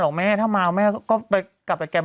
คุณแม่อยู่เมื่อวาน